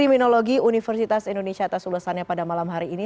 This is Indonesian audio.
mustafa guru besar kriminologi universitas indonesia atas ulasannya pada malam hari ini